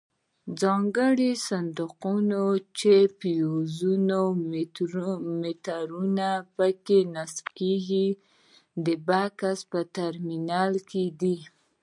ځانګړي صندوقونه چې فیوزونه او میټرونه پکې نصبیږي د بکس ټرمینل دی.